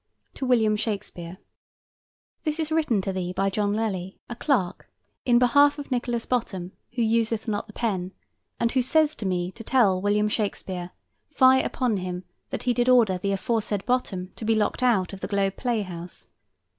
TO WILLIAM SHAKESPEARE: This is written to thee by John Lely, a clerk, in behalf of Nicholas Bottom, who useth not the pen, and who says to me to tell William Shakespeare, fie upon him that he did order the aforesaid Bottom to be locked out of the Globe Playhouse.